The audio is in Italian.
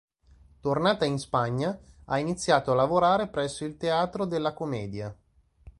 Tornata in Spagna, ha iniziato a lavorare presso il Teatro de la Comedia.